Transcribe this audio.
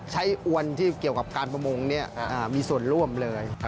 อวนที่เกี่ยวกับการประมงมีส่วนร่วมเลย